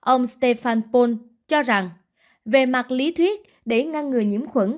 ông stéphane paule cho rằng về mặt lý thuyết để ngăn ngừa nhiễm khuẩn